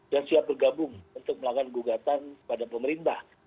dan siap bergabung untuk melakukan gugatan pada pemerintah